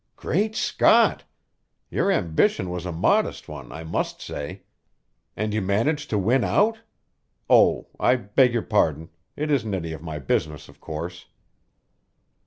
"Great Scott! Your ambition was a modest one, I must say. And you managed to win out? Oh, I beg your pardon! It isn't any of my business, of course!"